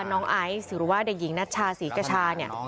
น้องไอซ์หรือว่าเด็กหญิงนัชชาศรีกชาเนี่ย